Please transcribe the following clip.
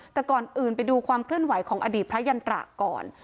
แต่ก่อนอื่นไปดูความเคลื่อนไหวของอดีตพระยันตราก่อน